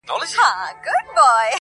مینه چي مو وڅاڅي له ټولو اندامو~